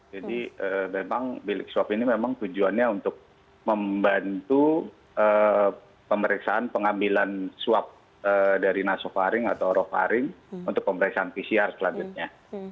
memang bilik swab ini memang tujuannya untuk membantu pemeriksaan pengambilan swab dari nasofaring atau roparing untuk pemeriksaan pcr selanjutnya